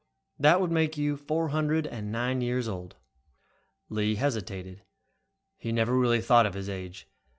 "That would make you four hundred nine years old." Lee hesitated. He never really thought of his age.